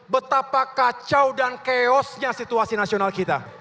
betapa kacau dan chaosnya situasi nasional kita